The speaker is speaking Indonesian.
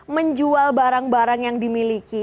menjual barang barang yang dimiliki